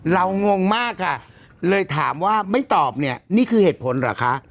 งงมากค่ะเลยถามว่าไม่ตอบเนี่ยนี่คือเหตุผลเหรอคะ